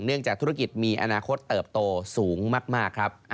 จากธุรกิจมีอนาคตเติบโตสูงมากครับ